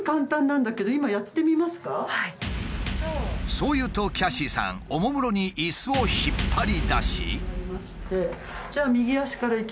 そう言うとキャシーさんおもむろにイスを引っ張り出し。